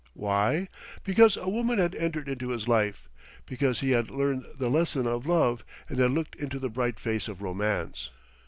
Why? Because a woman had entered into his life; because he had learned the lesson of love and had looked into the bright face of Romance....